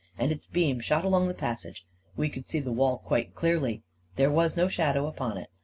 'As its beam shot along the passage, we could see the wall quite clearly. There was no shadow upon it.